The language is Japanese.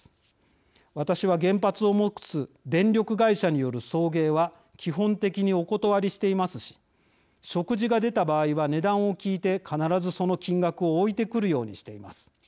「私は原発を持つ電力会社による送迎は基本的にお断りしていますし食事が出た場合は値段を聞いて必ずその金額を置いてくるようにしています。